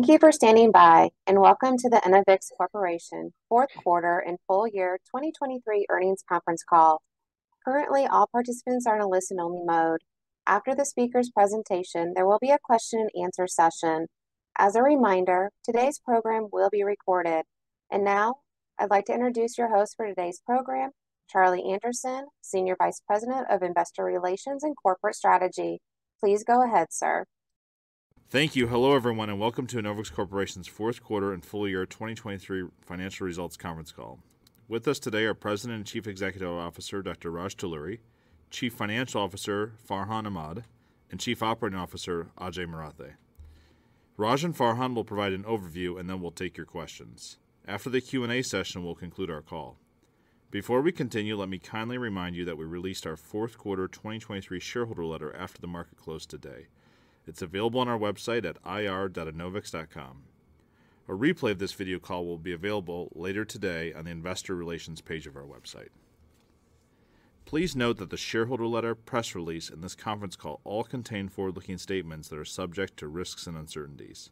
Thank you for standing by, and welcome to the Enovix Corporation fourth quarter and full year 2023 earnings conference call. Currently, all participants are in a listen-only mode. After the speaker's presentation, there will be a question and answer session. As a reminder, today's program will be recorded. And now, I'd like to introduce your host for today's program, Charlie Anderson, Senior Vice President of Investor Relations and Corporate Strategy. Please go ahead, sir. Thank you. Hello, everyone, and welcome to Enovix Corporation's fourth quarter and full year 2023 financial results conference call. With us today are President and Chief Executive Officer, Dr. Raj Talluri, Chief Financial Officer, Farhan Ahmad, and Chief Operating Officer, Ajay Marathe. Raj and Farhan will provide an overview, and then we'll take your questions. After the Q&A session, we'll conclude our call. Before we continue, let me kindly remind you that we released our fourth quarter 2023 shareholder letter after the market closed today. It's available on our website at ir.enovix.com. A replay of this video call will be available later today on the Investor Relations page of our website. Please note that the shareholder letter, press release, and this conference call all contain forward-looking statements that are subject to risks and uncertainties.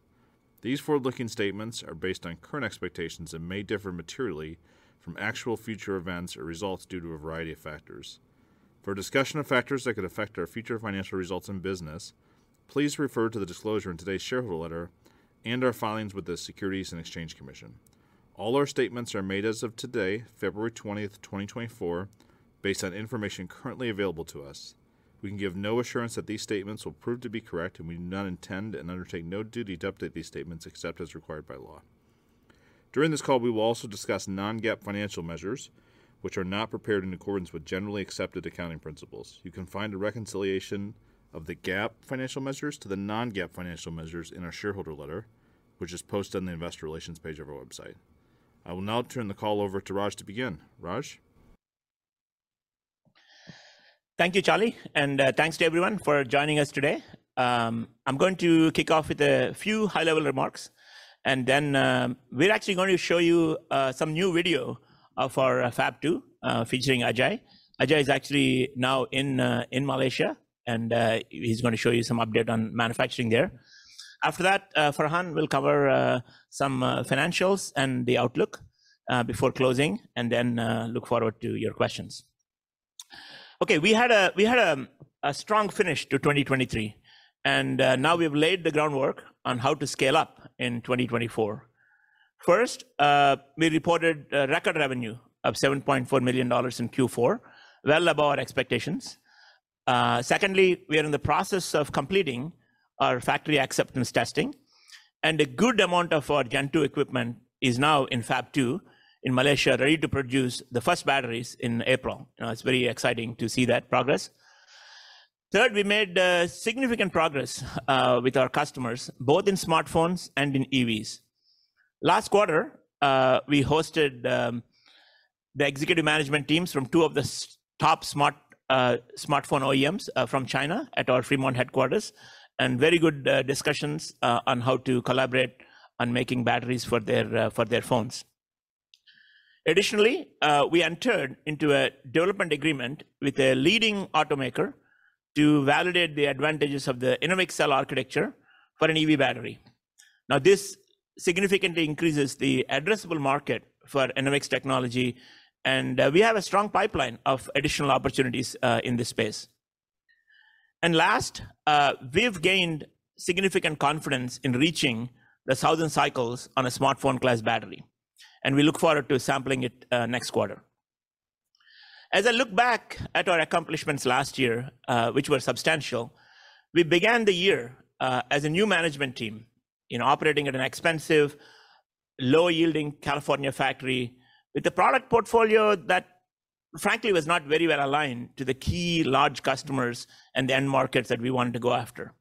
These forward-looking statements are based on current expectations and may differ materially from actual future events or results due to a variety of factors. For a discussion of factors that could affect our future financial results in business, please refer to the disclosure in today's shareholder letter and our filings with the Securities and Exchange Commission. All our statements are made as of today, February 20, 2024, based on information currently available to us. We can give no assurance that these statements will prove to be correct, and we do not intend and undertake no duty to update these statements except as required by law. During this call, we will also discuss non-GAAP financial measures, which are not prepared in accordance with generally accepted accounting principles. You can find a reconciliation of the GAAP financial measures to the non-GAAP financial measures in our shareholder letter, which is posted on the Investor Relations page of our website. I will now turn the call over to Raj to begin. Raj? Thank you, Charlie, and thanks to everyone for joining us today. I'm going to kick off with a few high-level remarks, and then we're actually going to show you some new video of our Fab 2, featuring Ajay. Ajay is actually now in Malaysia, and he's going to show you some update on manufacturing there. After that, Farhan will cover some financials and the outlook before closing, and then look forward to your questions. Okay, we had a strong finish to 2023, and now we've laid the groundwork on how to scale up in 2024. First, we reported a record revenue of $7.4 million in Q4, well above our expectations. Secondly, we are in the process of completing our factory acceptance testing, and a good amount of our Gen 2 equipment is now in Fab 2 in Malaysia, ready to produce the first batteries in April. You know, it's very exciting to see that progress. Third, we made significant progress with our customers, both in smartphones and in EVs. Last quarter, we hosted the executive management teams from two of the top smartphone OEEMs from China at our Fremont headquarters, and very good discussions on how to collaborate on making batteries for their phones. Additionally, we entered into a development agreement with a leading automaker to validate the advantages of the Enovix cell architecture for an EV battery. Now, this significantly increases the addressable market for Enovix technology, and we have a strong pipeline of additional opportunities in this space. And last, we've gained significant confidence in reaching the 1,000 cycles on a smartphone-class battery, and we look forward to sampling it next quarter. As I look back at our accomplishments last year, which were substantial, we began the year as a new management team, you know, operating at an expensive, low-yielding California factory with a product portfolio that, frankly, was not very well aligned to the key large customers and the end markets that we wanted to go after.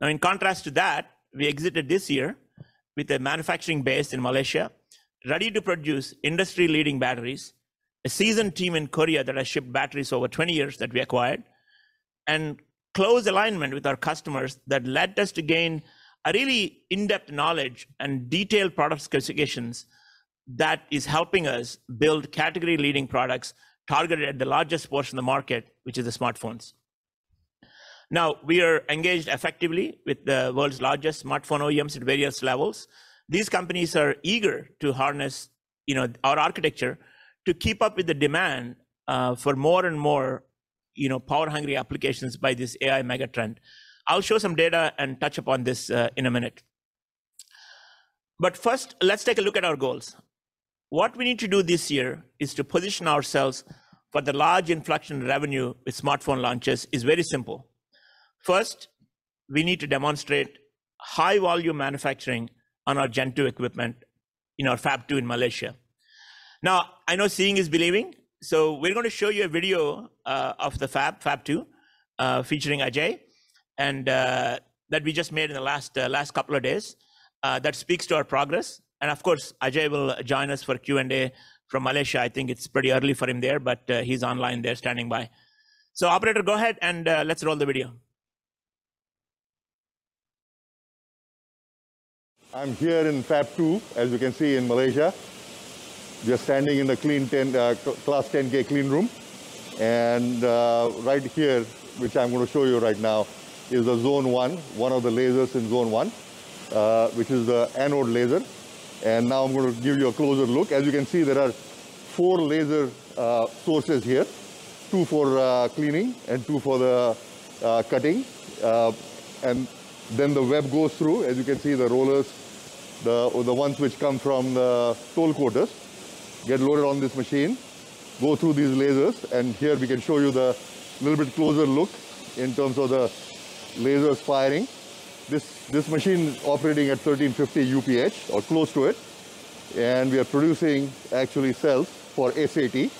Now, in contrast to that, we exited this year with a manufacturing base in Malaysia, ready to produce industry-leading batteries, a seasoned team in Korea that has shipped batteries over 20 years that we acquired, and close alignment with our customers that led us to gain a really in-depth knowledge and detailed product specifications that is helping us build category-leading products targeted at the largest portion of the market, which is the smartphones. Now, we are engaged effectively with the world's largest smartphone OEEMs at various levels. These companies are eager to harness, you know, our architecture to keep up with the demand, for more and more, you know, power-hungry applications by this AI mega trend. I'll show some data and touch upon this, in a minute. But first, let's take a look at our goals. What we need to do this year is to position ourselves for the large inflection in revenue with smartphone launches is very simple. First, we need to demonstrate high volume manufacturing on our Gen 2 equipment in our Fab 2 in Malaysia. Now, I know seeing is believing, so we're going to show you a video of the Fab 2 featuring Ajay, and that we just made in the last couple of days that speaks to our progress. And of course, Ajay will join us for Q&A from Malaysia. I think it's pretty early for him there, but he's online there, standing by. So operator, go ahead and let's roll the video. I'm here in Fab 2, as you can see, in Malaysia. We're standing in the clean tent, Class 10K clean room. And right here, which I'm going to show you right now, is the Zone 1, one of the lasers in Zone 1, which is the anode laser. And now I'm going to give you a closer look. As you can see, there are four laser sources here, two for cleaning and two for the cutting. And then the web gOEEs through. As you can see, the rollers, or the ones which come from the toll coaters, get loaded on this machine, go through these lasers, and here we can show you the little bit closer look in terms of the lasers firing. This machine is operating at 1,350 UPH or close to it, and we are producing actually cells for SAT.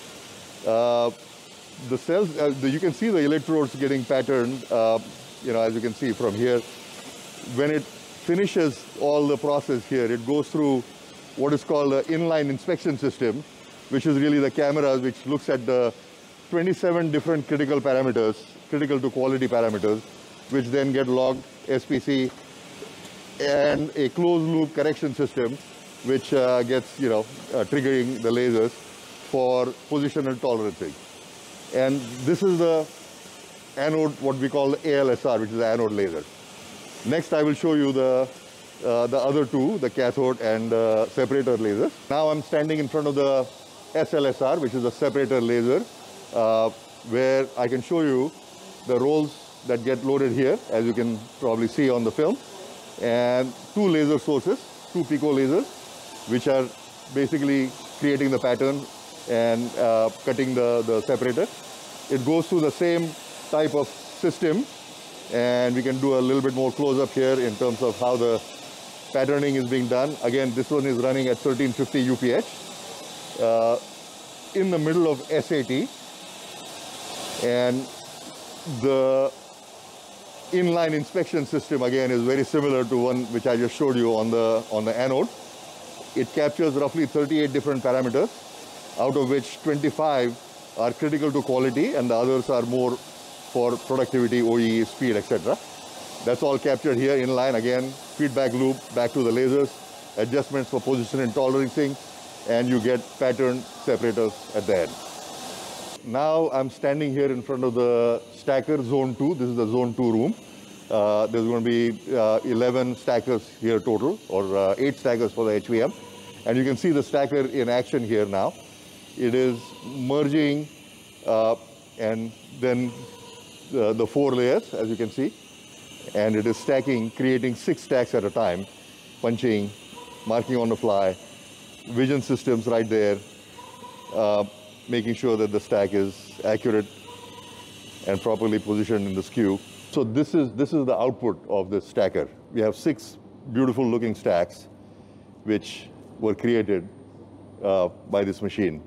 The cells, you can see the electrodes getting patterned, you know, as you can see from here. When it finishes all the process here, it gOEEs through what is called an inline inspection system, which is really the cameras, which looks at the 27 different critical parameters, critical to quality parameters, which then get logged SPC and a closed loop correction system, which gets, you know, triggering the lasers for position and tolerancing. This is the anode, what we call ALSR, which is anode laser. Next, I will show you the other two, the cathode and the separator laser. Now I'm standing in front of the SLSR, which is a separator laser, where I can show you the rolls that get loaded here, as you can probably see on the film. Two laser sources, two pico lasers, which are basically creating the pattern and cutting the separator. It gOEEs through the same type of system, and we can do a little bit more close up here in terms of how the patterning is being done. Again, this one is running at 1350 UPH in the middle of SAT. And the Inline Inspection System, again, is very similar to one which I just showed you on the anode. It captures roughly 38 different parameters, out of which 25 are critical to quality, and the others are more for productivity, OEE, speed, et cetera. That's all captured here in line. Again, feedback loop back to the lasers, adjustments for position and tolerancing, and you get patterned separators at the end. Now, I'm standing here in front of the Stacker Zone 2. This is the Zone 2 room. There's gonna be 11 stackers here total or 8 stackers for the HVM. And you can see the stacker in action here now. It is merging and then the 4 layers, as you can see, and it is stacking, creating 6 stacks at a time, punching, marking on the fly, vision systems right there, making sure that the stack is accurate and properly positioned in the skew. So this is the output of the stacker. We have 6 beautiful-looking stacks which were created by this machine.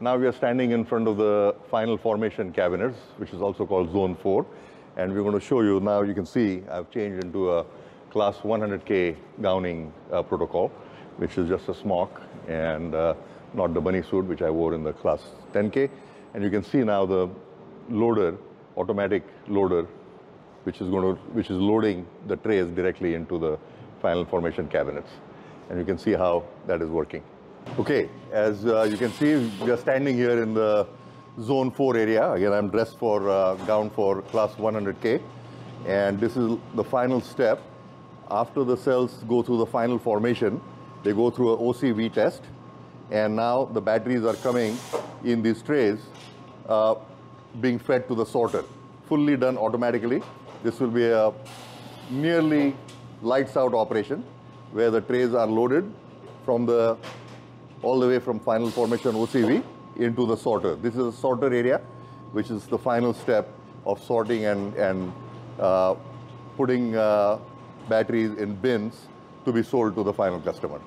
Now we are standing in front of the final formation cabinets, which is also called Zone 4, and we're going to show you. Now, you can see I've changed into a Class 100K gowning protocol, which is just a smock and not the bunny suit, which I wore in the Class 10K. And you can see now the loader, automatic loader, which is loading the trays directly into the final formation cabinets, and you can see how that is working. Okay, as you can see, we are standing here in the Zone 4 area. Again, I'm dressed for gown for Class 100K, and this is the final step. After the cells go through the final formation, they go through a OCV test, and now the batteries are coming in these trays, being fed to the sorter, fully done automatically. This will be a merely lights out operation, where the trays are loaded from the. All the way from final formation OCV into the sorter. This is a sorter area, which is the final step of sorting and putting batteries in bins to be sold to the final customer.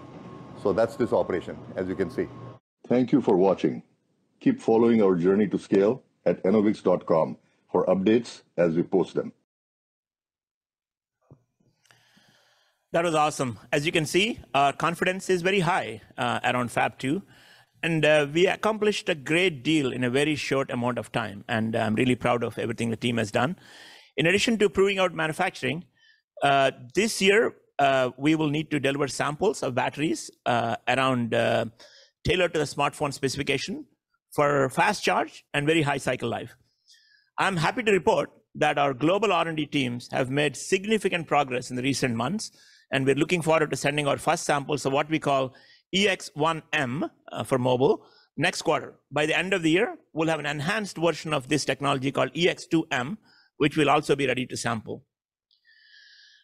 So that's this operation, as you can see. Thank you for watching. Keep following our journey to scale at Enovix.com for updates as we post them. That was awesome. As you can see, confidence is very high, at on Fab 2, and, we accomplished a great deal in a very short amount of time, and I'm really proud of everything the team has done. In addition to proving out manufacturing, this year, we will need to deliver samples of batteries, around, tailored to the smartphone specification for fast charge and very high cycle life. I'm happy to report that our global R&D teams have made significant progress in the recent months, and we're looking forward to sending our first samples of what we call EX-1M, for mobile, next quarter. By the end of the year, we'll have an enhanced version of this technology called EX-2M, which will also be ready to sample.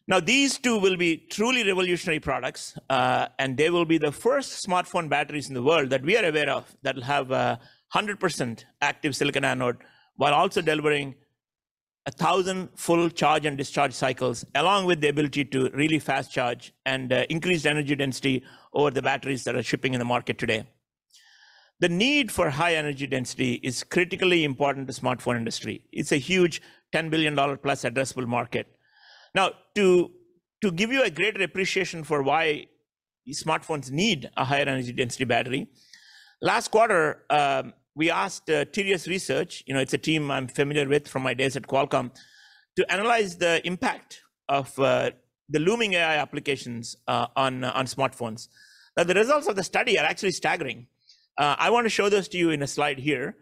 Now, these two will be truly revolutionary products, and they will be the first smartphone batteries in the world that we are aware of that will have 100% active silicon anode, while also delivering 1,000 full charge and discharge cycles, along with the ability to really fast charge and increased energy density over the batteries that are shipping in the market today. The need for high energy density is critically important to smartphone industry. It's a huge $10 billion-plus addressable market. Now, to give you a greater appreciation for why smartphones need a higher energy density battery, last quarter, we asked TSR, you know, it's a team I'm familiar with from my days at Qualcomm to analyze the impact of the looming AI applications on smartphones. Now, the results of the study are actually staggering. I wanna show those to you in a slide here.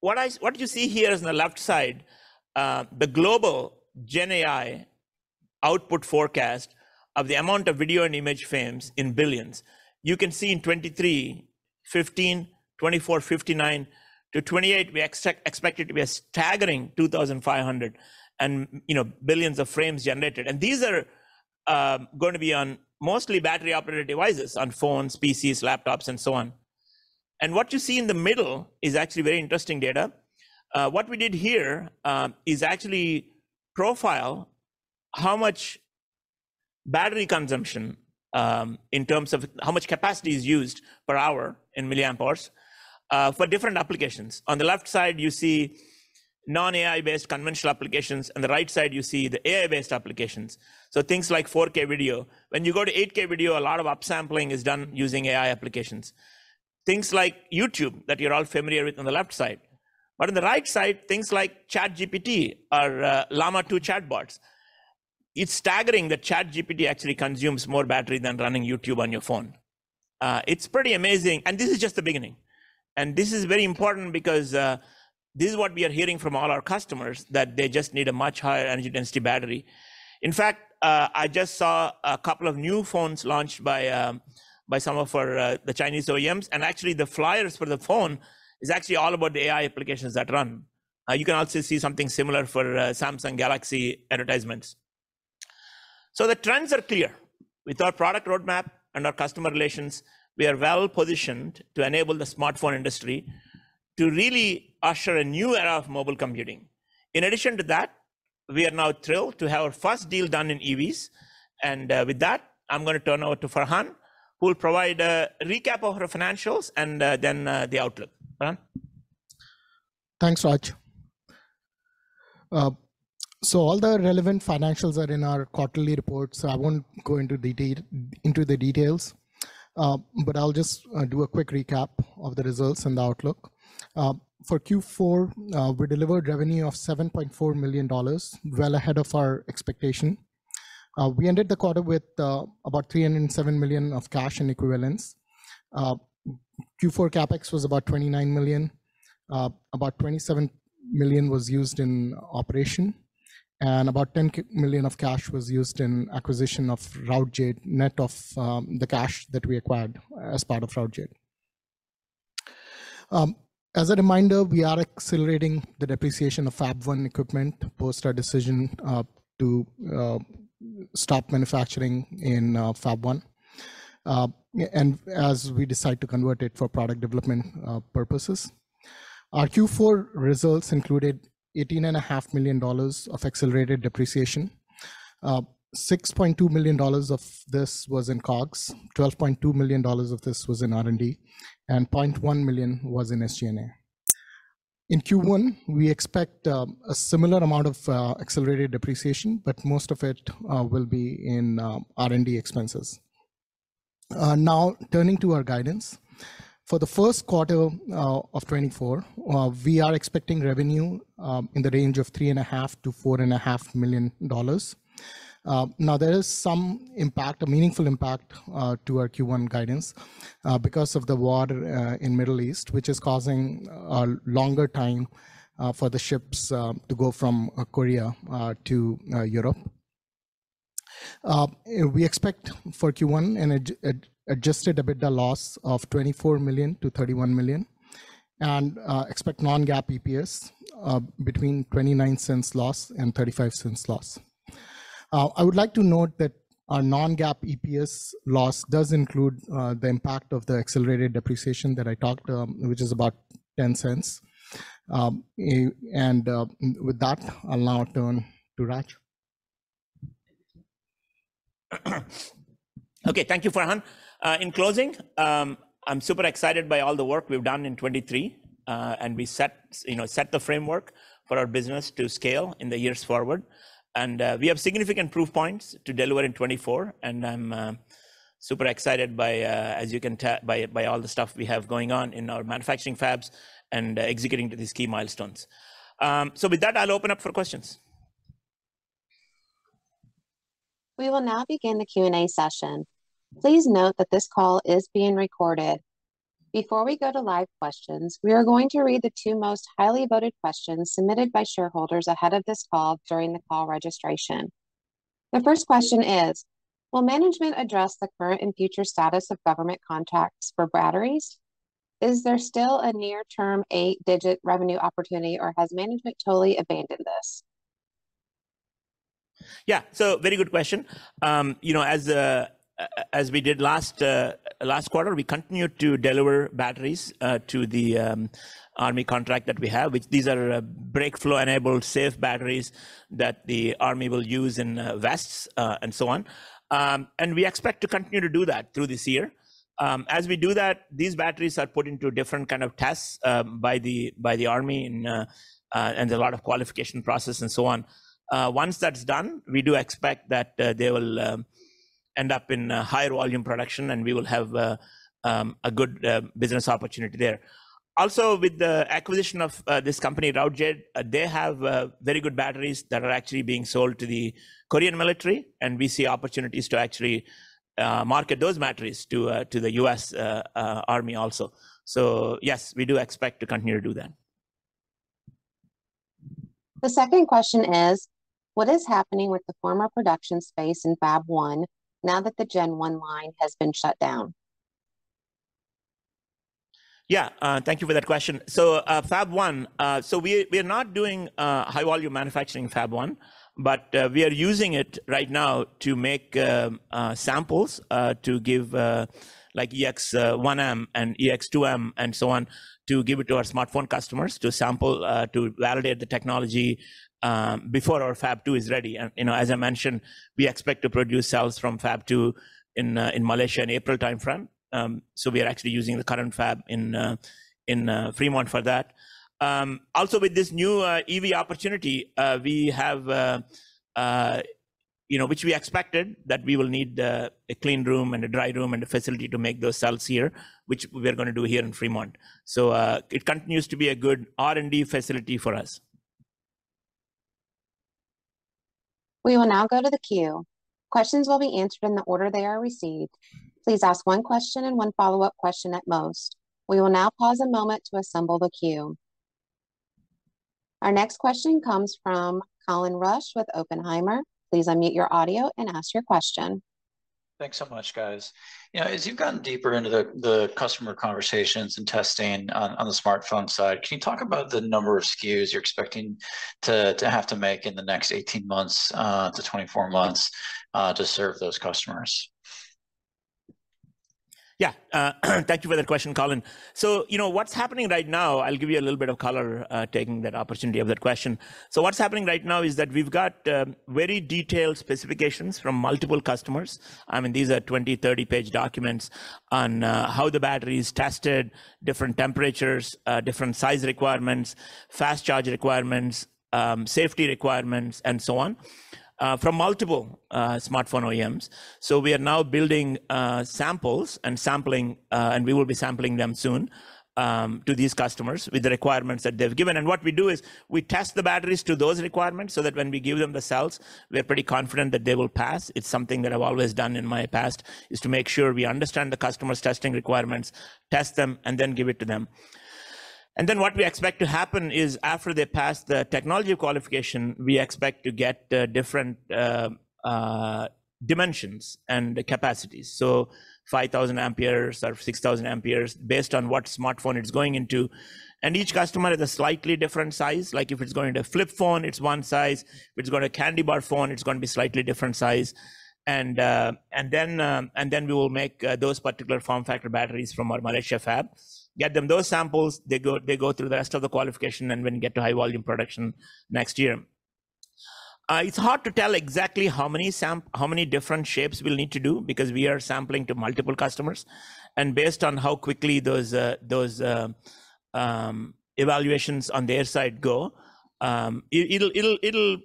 What you see here is on the left side, the global Gen AI output forecast of the amount of video and image frames in billions. You can see in 2023, 15, 2024, 59. To 2028, we expect it to be a staggering 2,500, you know, billions of frames generated. These are going to be on mostly battery-operated devices, on phones, PCs, laptops, and so on. What you see in the middle is actually very interesting data. What we did here is actually profile how much battery consumption in terms of how much capacity is used per hour in milliamp hours for different applications. On the left side, you see non-AI-based conventional applications, on the right side, you see the AI-based applications. So things like 4K video. When you go to 8K video, a lot of upsampling is done using AI applications. Things like YouTube, that you're all familiar with on the left side. But on the right side, things like ChatGPT or Llama 2 chat bots. It's staggering that ChatGPT actually consumes more battery than running YouTube on your phone. It's pretty amazing, and this is just the beginning. This is very important because this is what we are hearing from all our customers, that they just need a much higher energy density battery. In fact, I just saw a couple of new phones launched by some of the Chinese OEEMs, and actually, the flyers for the phone is actually all about the AI applications that run. You can also see something similar for Samsung Galaxy advertisements. So the trends are clear. With our product roadmap and our customer relations, we are well positioned to enable the smartphone industry to really usher a new era of mobile computing. In addition to that, we are now thrilled to have our first deal done in EVs, and, with that, I'm gonna turn over to Farhan, who will provide a recap of our financials and, then, the outlook. Farhan? Thanks, Raj. So all the relevant financials are in our quarterly report, so I won't go into the details. But I'll just do a quick recap of the results and the outlook. For Q4, we delivered revenue of $7.4 million, well ahead of our expectation. We ended the quarter with about $307 million of cash and equivalents. Q4 CapEx was about $29 million. About $27 million was used in operation, and about $10 million of cash was used in acquisition of Routejade, net of the cash that we acquired as part of Routejade. As a reminder, we are accelerating the depreciation of Fab 1 equipment post our decision to stop manufacturing in Fab 1. And as we decide to convert it for product development purposes. Our Q4 results included $18.5 million of accelerated depreciation. Six point two million dollars of this was in COGS, $12.2 million of this was in R&D, and $0.1 million was in SG&A. In Q1, we expect a similar amount of accelerated depreciation, but most of it will be in R&D expenses. Now, turning to our guidance, for the first quarter of 2024, we are expecting revenue in the range of $3.5-$4.5 million. Now, there is some impact, a meaningful impact, to our Q1 guidance, because of the war in the Middle East, which is causing a longer time for the ships to go from Korea to Europe. We expect for Q1 an adjusted EBITDA loss of $24 million-$31 million, and expect non-GAAP EPS between a $0.29 loss and a $0.35 loss. I would like to note that our non-GAAP EPS loss dOEEs include the impact of the accelerated depreciation that I talked, which is about $0.10. And, with that, I'll now turn to Raj. Okay, thank you, Farhan. In closing, I'm super excited by all the work we've done in 2023, and we set, you know, set the framework for our business to scale in the years forward. And we have significant proof points to deliver in 2024, and I'm super excited by, as you can tell, by all the stuff we have going on in our manufacturing fabs and executing to these key milestones. So with that, I'll open up for questions. We will now begin the Q&A session. Please note that this call is being recorded. Before we go to live questions, we are going to read the two most highly voted questions submitted by shareholders ahead of this call during the call registration. The first question is: Will management address the current and future status of government contracts for batteries? Is there still a near-term eight-digit revenue opportunity, or has management totally abandoned this? Yeah, so very good question. You know, as we did last quarter, we continued to deliver batteries to the Army contract that we have, which these are BrakeFlow-enabled safe batteries that the Army will use in vests and so on. And we expect to continue to do that through this year. As we do that, these batteries are put into different kind of tests by the Army and a lot of qualification process and so on. Once that's done, we do expect that they will end up in higher volume production, and we will have a good business opportunity there. Also, with the acquisition of this company, Routejade, they have very good batteries that are actually being sold to the Korean military, and we see opportunities to actually market those batteries to the U.S. Army also. So yes, we do expect to continue to do that. The second question is: what is happening with the former production space in Fab 1 now that the Gen 1 line has been shut down? Yeah, thank you for that question. So, Fab 1, so we, we're not doing high volume manufacturing in Fab 1, but, we are using it right now to make samples, to give, like EX1M and EX2M and so on, to give it to our smartphone customers to sample, to validate the technology, before our Fab 2 is ready. And, you know, as I mentioned, we expect to produce cells from Fab 2 in Malaysia in April timeframe. So we are actually using the current fab in Fremont for that. Also with this new EV opportunity, we have, you know, which we expected, that we will need a clean room and a dry room and a facility to make those cells here, which we are gonna do here in Fremont. So, it continues to be a good R&D facility for us. We will now go to the queue. Questions will be answered in the order they are received. Please ask one question and one follow-up question at most. We will now pause a moment to assemble the queue. Our next question comes from Colin Rusch with Oppenheimer. Please unmute your audio and ask your question. Thanks so much, guys. You know, as you've gotten deeper into the customer conversations and testing on the smartphone side, can you talk about the number of SKUs you're expecting to have to make in the next 18 months to 24 months to serve those customers? Yeah, thank you for that question, Colin. So, you know, what's happening right now, I'll give you a little bit of color, taking that opportunity of that question. So what's happening right now is that we've got very detailed specifications from multiple customers. I mean, these are 20-, 30-page documents on how the battery is tested, different temperatures, different size requirements, fast charge requirements, saFATy requirements, and so on, from multiple smartphone OEEMs. So we are now building samples and sampling, and we will be sampling them soon to these customers with the requirements that they've given. And what we do is, we test the batteries to those requirements so that when we give them the cells, we are pretty confident that they will pass. It's something that I've always done in my past, is to make sure we understand the customer's testing requirements, test them, and then give it to them. And then what we expect to happen is, after they pass the technology qualification, we expect to get different dimensions and capacities. So 5000 amperes or 6000 amperes, based on what smartphone it's going into. And each customer is a slightly different size. Like, if it's going to a flip phone, it's one size, if it's going to a candy bar phone, it's gonna be slightly different size. And then we will make those particular form factor batteries from our Malaysia Fab, get them those samples, they go through the rest of the qualification, and then get to high volume production next year. It's hard to tell exactly how many different shapes we'll need to do, because we are sampling to multiple customers, and based on how quickly those evaluations on their side go. It'll,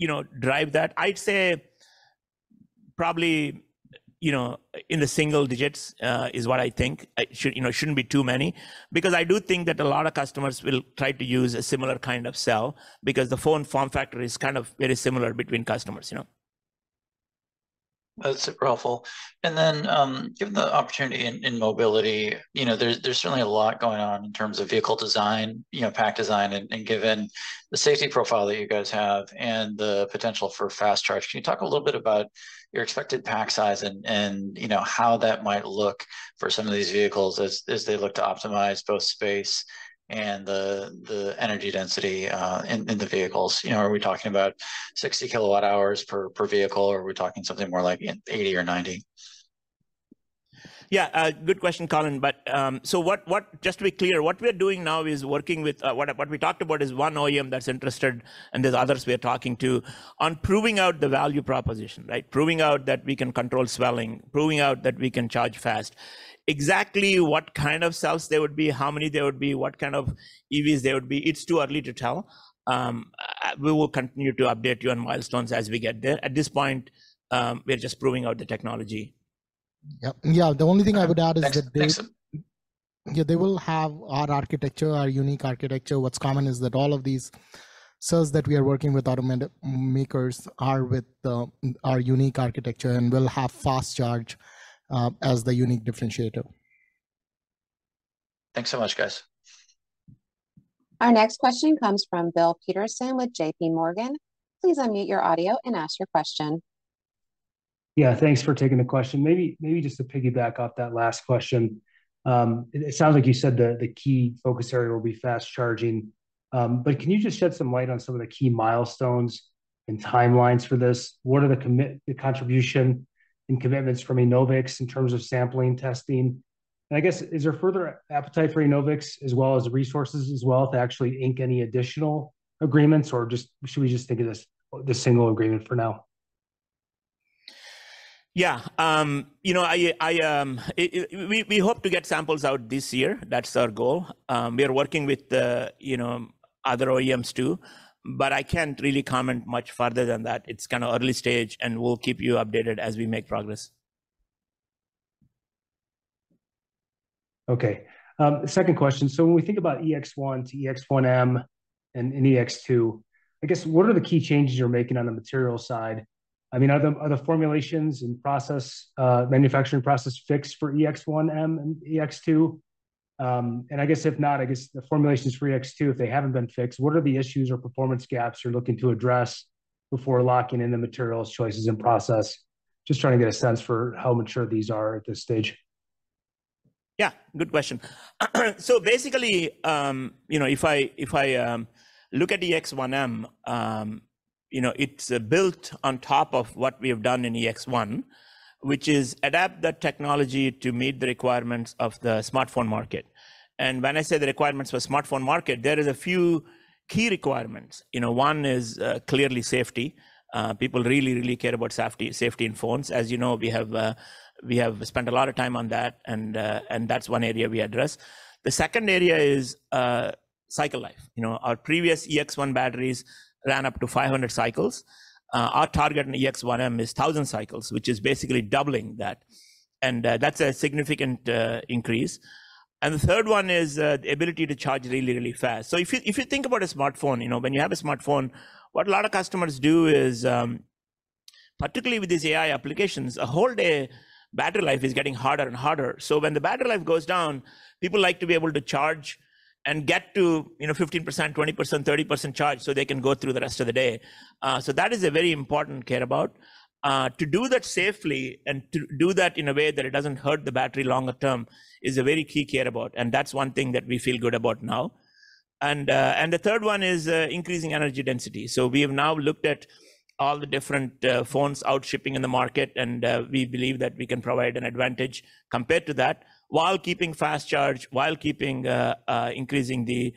you know, drive that. I'd say probably, you know, in the single digits is what I think. It should, you know, it shouldn't be too many, because I do think that a lot of customers will try to use a similar kind of cell, because the phone form factor is kind of very similar between customers, you know. That's helpful. Then, given the opportunity in mobility, you know, there's certainly a lot going on in terms of vehicle design, you know, pack design, and given the saFATy profile that you guys have and the potential for fast charge, can you talk a little bit about your expected pack size and, you know, how that might look for some of these vehicles as they look to optimize both space and the energy density in the vehicles? You know, are we talking about 60 kWh per vehicle, or are we talking something more like 80 or 90? Yeah, good question, Colin. But, so what. Just to be clear, what we are doing now is working with, what we talked about is one OEEM that's interested, and there's others we are talking to, on proving out the value proposition, right? Proving out that we can control swelling, proving out that we can charge fast. Exactly what kind of cells there would be, how many there would be, what kind of EVs there would be, it's too early to tell. We will continue to update you on milestones as we get there. At this point, we are just proving out the technology. Yep. Yeah, the only thing I would add is that they- Next, next? Yeah, they will have our architecture, our unique architecture. What's common is that all of these cells that we are working with OEEMs are with our unique architecture and will have fast charge as the unique differentiator. Thanks so much, guys. Our next question comes from Bill Peterson with JP Morgan. Please unmute your audio and ask your question. Yeah, thanks for taking the question. Maybe, maybe just to piggyback off that last question, it sounds like you said the, the key focus area will be fast charging. But can you just shed some light on some of the key milestones and timelines for this? What are the contribution and commitments from Enovix in terms of sampling, testing? And I guess, is there further appetite for Enovix as well as resources as well, to actually ink any additional agreements, or just, should we just think of this, the single agreement for now? Yeah. You know, we hope to get samples out this year. That's our goal. We are working with the, you know, other OEEMs too, but I can't really comment much further than that. It's kinda early stage, and we'll keep you updated as we make progress. Okay, second question: so when we think about EX1 to EX1M and EX2, I guess, what are the key changes you're making on the material side? I mean, are the formulations and process, manufacturing process fixed for EX1M and EX2? And I guess if not, I guess the formulations for EX2, if they haven't been fixed, what are the issues or performance gaps you're looking to address before locking in the materials, choices, and process? Just trying to get a sense for how mature these are at this stage. Yeah, good question. So basically, you know, if I look at the EX-1M, you know, it's built on top of what we have done in EX-1, which is adapt that technology to meet the requirements of the smartphone market. And when I say the requirements for smartphone market, there is a few key requirements. You know, one is clearly saFATy. People really, really care about saFATy, saFATy in phones. As you know, we have spent a lot of time on that, and that's one area we address. The second area is cycle life. You know, our previous EX-1 batteries ran up to 500 cycles. Our target in EX-1M is 1,000 cycles, which is basically doubling that, and that's a significant increase. The third one is the ability to charge really, really fast. So if you, if you think about a smartphone, you know, when you have a smartphone, what a lot of customers do is, particularly with these AI applications, a whole day battery life is getting harder and harder. So when the battery life gOEEs down, people like to be able to charge and get to, you know, 15%, 20%, 30% charge, so they can go through the rest of the day. So that is a very important care about. To do that safely and to do that in a way that it dOEEsn't hurt the battery longer term is a very key care about, and that's one thing that we feel good about now. And the third one is increasing energy density. So we have now looked at all the different phones out shipping in the market, and we believe that we can provide an advantage compared to that, while keeping fast charge, while keeping increasing the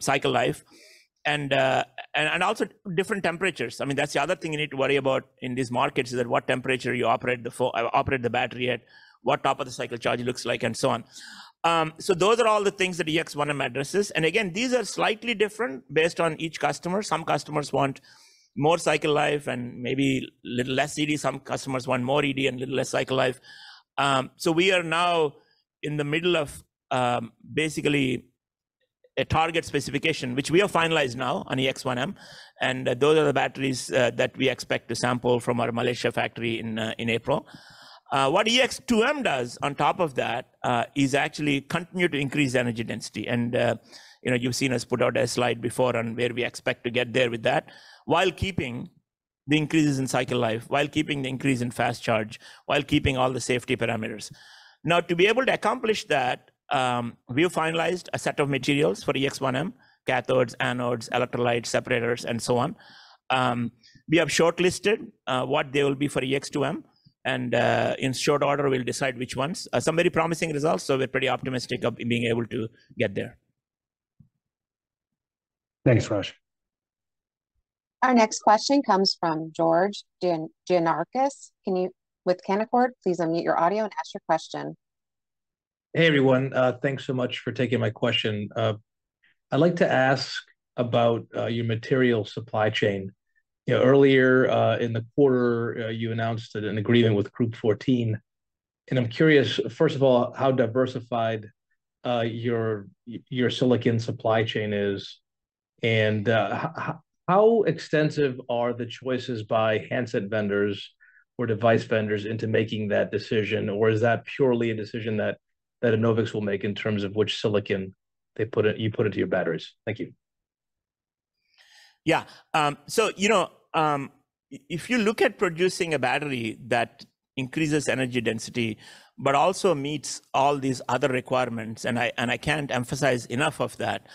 cycle life and also different temperatures. I mean, that's the other thing you need to worry about in these markets, is at what temperature you operate the battery at, what top of the cycle charge looks like, and so on. So those are all the things that EX-1M addresses, and again, these are slightly different based on each customer. Some customers want more cycle life and maybe little less ED. Some customers want more ED and little less cycle life. So we are now in the middle of, basically a target specification, which we have finalized now on EX-1M, and those are the batteries that we expect to sample from our Malaysia factory in, in April. What EX-2M dOEEs on top of that is actually continue to increase the energy density. And, you know, you've seen us put out a slide before on where we expect to get there with that, while keeping the increases in cycle life, while keeping the increase in fast charge, while keeping all the saFATy parameters. Now, to be able to accomplish that, we have finalized a set of materials for EX-1M, cathodes, anodes, electrolytes, separators, and so on. We have shortlisted what they will be for EX-2M, and, in short order, we'll decide which ones. Some very promising results, so we're pretty optimistic of being able to get there. Thanks, Raj. Our next question comes from George Gianarikas. Can you, with Canaccord, please unmute your audio and ask your question. Hey, everyone. Thanks so much for taking my question. I'd like to ask about your material supply chain. You know, earlier in the quarter, you announced an agreement with Group14, and I'm curious, first of all, how diversified your silicon supply chain is, and how extensive are the choices by handset vendors or device vendors into making that decision? Or is that purely a decision that Enovix will make in terms of which silicon they put in, you put into your batteries? Thank you. Yeah, so you know, if you look at producing a battery that increases energy density, but also meets all these other requirements, and I, and I can't emphasize enough of that,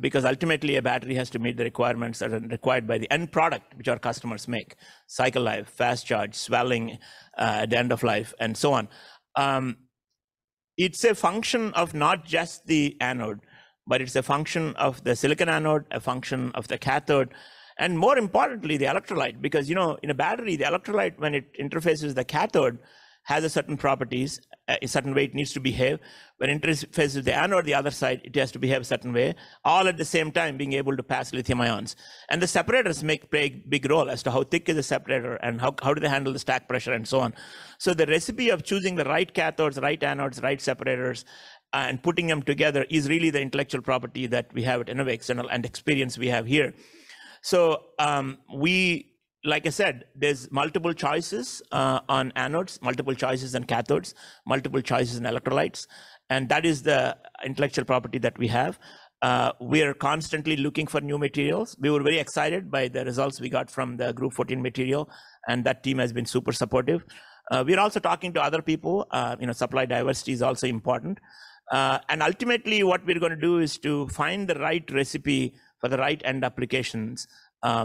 because ultimately a battery has to meet the requirements that are required by the end product, which our customers make: cycle life, fast charge, swelling, at the end of life, and so on. It's a function of not just the anode, but it's a function of the silicon anode, a function of the cathode, and more importantly, the electrolyte. Because, you know, in a battery, the electrolyte, when it interfaces the cathode, has a certain properties, a certain way it needs to behave. When it interfaces the anode, the other side, it has to behave a certain way, all at the same time being able to pass lithium ions. And the separators play a big role as to how thick is the separator and how do they handle the stack pressure, and so on. So the recipe of choosing the right cathodes, the right anodes, the right separators, and putting them together is really the intellectual property that we have at Enovix and experience we have here. So, like I said, there's multiple choices on anodes, multiple choices on cathodes, multiple choices on electrolytes, and that is the intellectual property that we have. We are constantly looking for new materials. We were very excited by the results we got from the Group14 material, and that team has been super supportive. We're also talking to other people. You know, supply diversity is also important. And ultimately, what we're gonna do is to find the right recipe for the right end applications,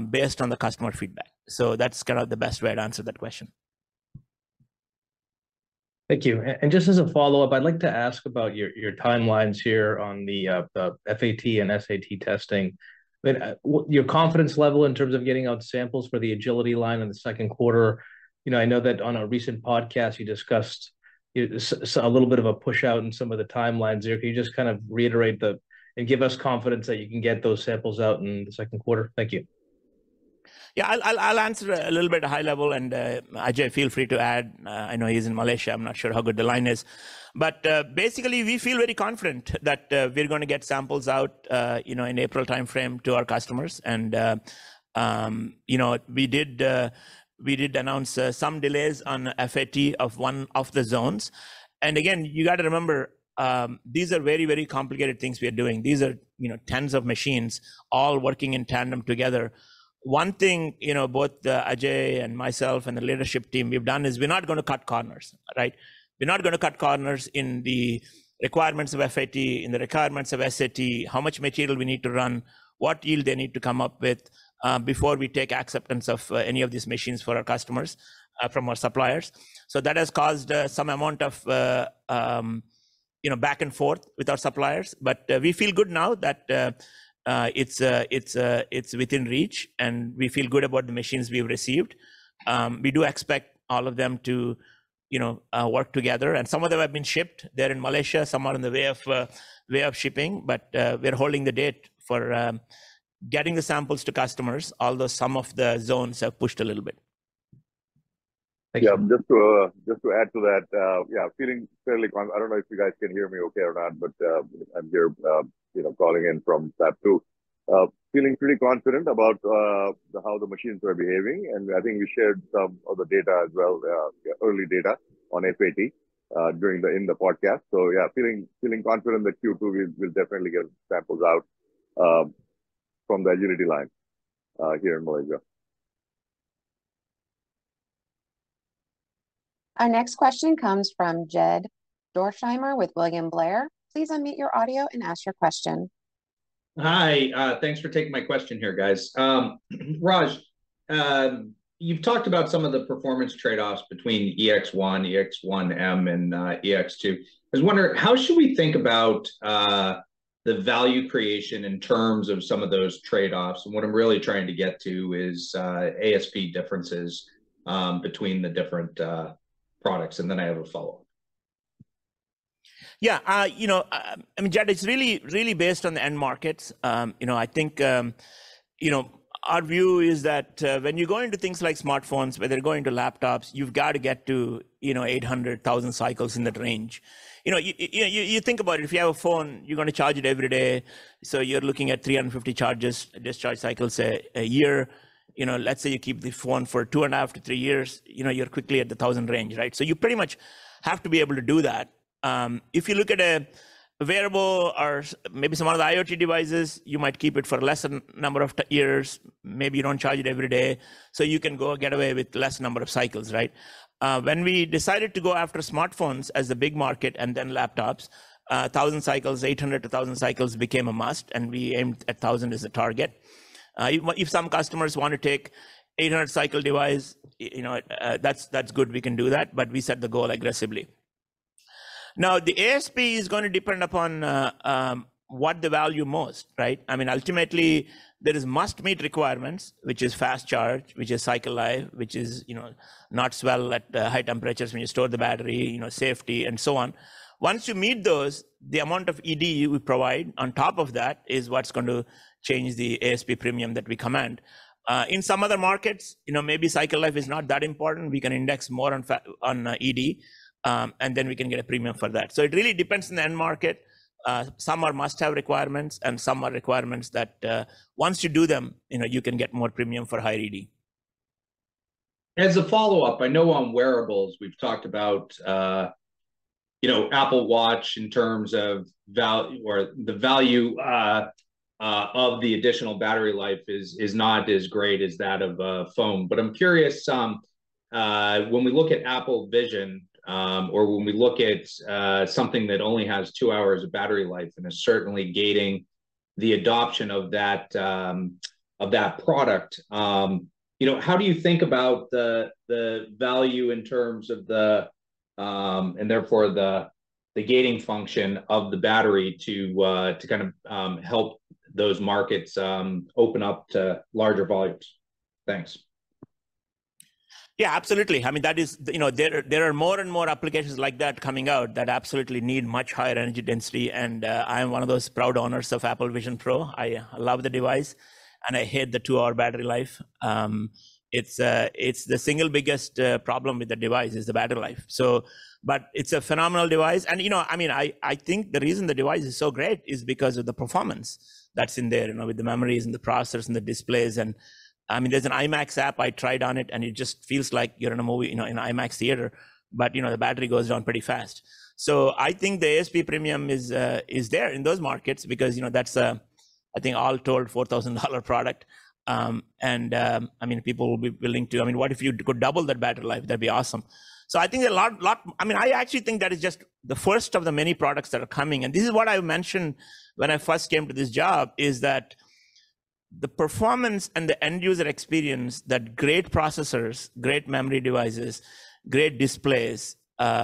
based on the customer feedback. So that's kind of the best way to answer that question. Thank you. And just as a follow-up, I'd like to ask about your timelines here on the FAT and SAT testing. I mean, what, your confidence level in terms of getting out samples for the Agility Line in the second quarter. You know, I know that on a recent podcast, you discussed a little bit of a push-out in some of the timelines there. Can you just kind of reiterate the and give us confidence that you can get those samples out in the second quarter? Thank you. Yeah, I'll answer a little bit high level, and Ajay, feel free to add. I know he's in Malaysia. I'm not sure how good the line is. But basically, we feel very confident that we're gonna get samples out, you know, in April timeframe to our customers. And you know, we did announce some delays on FAT of one of the zones. And again, you gotta remember, these are very, very complicated things we are doing. These are, you know, tens of machines all working in tandem together. One thing, you know, both Ajay and myself and the leadership team we've done is we're not gonna cut corners, right? We're not gonna cut corners in the requirements of FAT, in the requirements of SAT, how much material we need to run, what yield they need to come up with, before we take acceptance of, any of these machines for our customers, from our suppliers. So that has caused, some amount of, you know, back and forth with our suppliers, but, we feel good now that, it's within reach, and we feel good about the machines we've received. We do expect all of them to, you know, work together, and some of them have been shipped. They're in Malaysia, some are on the way of shipping, but, we're holding the date for, getting the samples to customers, although some of the zones have pushed a little bit. Thank you. Yeah, just to add to that, yeah, feeling fairly confident. I don't know if you guys can hear me okay or not, but, I'm here, you know, calling in from Fab 2. Feeling pretty confident about how the machines are behaving, and I think we shared some of the data as well, early data on FAT, during the, in the podcast. So yeah, feeling confident that Q2, we'll definitely get samples out, from the Agility Line, here in Malaysia. Our next question comes from Jed Dorsheimer with William Blair. Please unmute your audio and ask your question. Hi, thanks for taking my question here, guys. Raj, you've talked about some of the performance trade-offs between EX1, EX1M, and, EX2. I was wondering, how should we think about, the value creation in terms of some of those trade-offs? And what I'm really trying to get to is, ASP differences, between the different, products, and then I have a follow-up. Yeah, you know, I mean, Jed, it's really, really based on the end markets. You know, I think, you know, our view is that, when you go into things like smartphones, whether you're going to laptops, you've got to get to, you know, 800-1,000 cycles in that range. You know, you think about it, if you have a phone, you're gonna charge it every day, so you're looking at 350 charge-discharge cycles a year. You know, let's say you keep the phone for two and a half to three years, you know, you're quickly at the 1,000 range, right? So you pretty much have to be able to do that. If you look at a wearable or maybe some of the IoT devices, you might keep it for less than number of years, maybe you don't charge it every day, so you can go and get away with less number of cycles, right? When we decided to go after smartphones as the big market and then laptops, 1000 cycles, 800-1000 cycles became a must, and we aimed at 1000 as a target. If some customers want to take 800-cycle device, you know, that's good, we can do that, but we set the goal aggressively. Now, the ASP is gonna depend upon what the value most, right? I mean, ultimately, there is must-meet requirements, which is fast charge, which is cycle life, which is, you know, not swell at high temperatures when you store the battery, you know, saFATy, and so on. Once you meet those, the amount of ED we provide on top of that is what's going to change the ASP premium that we command. In some other markets, you know, maybe cycle life is not that important, we can index more on ED, and then we can get a premium for that. So it really depends on the end market. Some are must-have requirements, and some are requirements that once you do them, you know, you can get more premium for high ED. As a follow-up, I know on wearables, we've talked about, you know, Apple Watch in terms of value or the value of the additional battery life is not as great as that of a phone. But I'm curious, when we look at Apple Vision, or when we look at something that only has 2 hours of battery life and is certainly gating the adoption of that, of that product, you know, how do you think about the value in terms of the, and therefore the gating function of the battery to kind of help those markets open up to larger volumes? Thanks. Yeah, absolutely. I mean, that is. You know, there are more and more applications like that coming out that absolutely need much higher energy density, and I am one of those proud owners of Apple Vision Pro. I love the device, and I hate the two-hour battery life. It's the single biggest problem with the device is the battery life. But it's a phenomenal device, and, you know, I mean, I think the reason the device is so great is because of the performance that's in there, you know, with the memories and the processors and the displays and. I mean, there's an IMAX app, I tried on it, and it just feels like you're in a movie, you know, in an IMAX theater, but, you know, the battery gOEEs down pretty fast. So I think the ASP premium is, is there in those markets because, you know, that's, I think all told, $4,000 product. And, I mean, people will be willing to- I mean, what if you could double that battery life? That'd be awesome. So I think a lot, lot. I mean, I actually think that is just the first of the many products that are coming, and this is what I mentioned when I first came to this job, is that the performance and the end-user experience that great processors, great memory devices, great displays,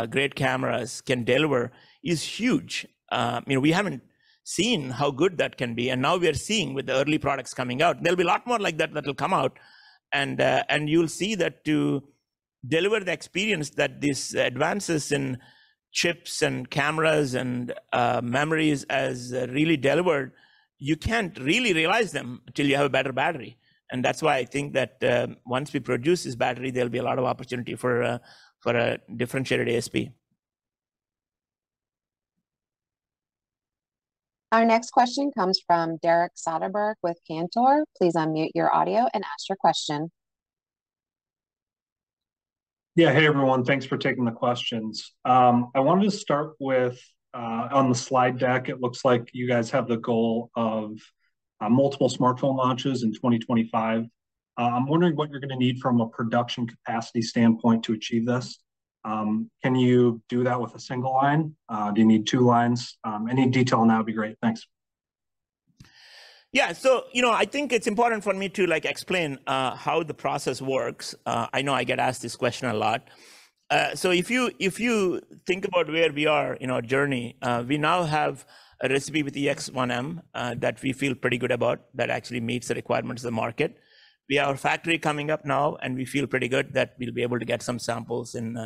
great cameras can deliver is huge. You know, we haven't seen how good that can be, and now we are seeing with the early products coming out. There'll be a lot more like that that will come out, and, and you'll see that to-... deliver the experience that these advances in chips and cameras and memories has really delivered, you can't really realize them until you have a better battery. And that's why I think that once we produce this battery, there'll be a lot of opportunity for a differentiated ASP. Our next question comes from Derek Soderberg with Cantor. Please unmute your audio and ask your question. Yeah. Hey, everyone, thanks for taking the questions. I wanted to start with, on the slide deck, it looks like you guys have the goal of, multiple smartphone launches in 2025. I'm wondering what you're gonna need from a production capacity standpoint to achieve this. Can you do that with a single line? Do you need two lines? Any detail on that would be great. Thanks. Yeah, so, you know, I think it's important for me to, like, explain how the process works. I know I get asked this question a lot. So if you think about where we are in our journey, we now have a recipe with the EX-1M that we feel pretty good about, that actually meets the requirements of the market. We have our factory coming up now, and we feel pretty good that we'll be able to get some samples in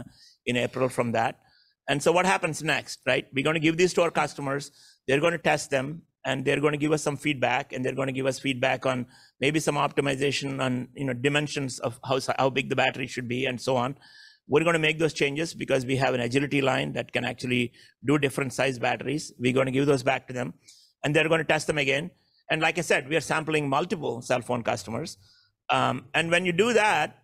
April from that. And so what happens next, right? We're gonna give these to our customers, they're gonna test them, and they're gonna give us some feedback, and they're gonna give us feedback on maybe some optimization on, you know, dimensions of how big the battery should be, and so on. We're gonna make those changes because we have an Agility Line that can actually do different sized batteries. We're gonna give those back to them, and they're gonna test them again. And like I said, we are sampling multiple cell phone customers. And when you do that,